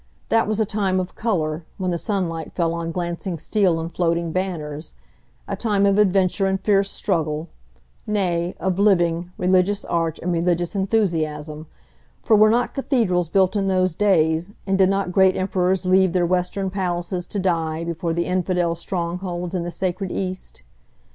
That was a time of colour, when the sunlight fell on glancing steel and floating banners; a time of adventure and fierce struggle,—nay, of living, religious art and religious enthusiasm; for were not cathedrals built in those days, and did not great emperors leave their Western palaces to die before the infidel strongholds in the sacred East?